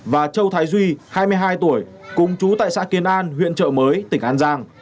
và châu thái duy hai mươi hai tuổi cùng chú tại xã kiến an huyện trợ mới tỉnh an giang